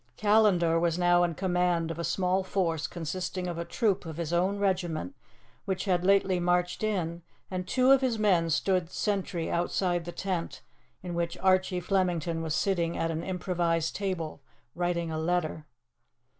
Callandar was now in command of a small force consisting of a troop of his own regiment which had lately marched in, and two of his men stood sentry outside the tent in which Archie Flemington was sitting at an improvised table writing a letter.